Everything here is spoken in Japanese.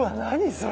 それ。